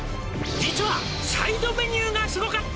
「実はサイドメニューがスゴかった！」